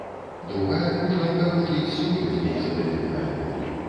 Другая кружэлка гучыць сур'ёзней за дэбютны альбом.